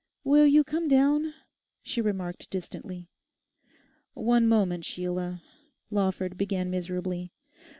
'Will you come down?' she remarked distantly. 'One moment, Sheila,' Lawford began miserably.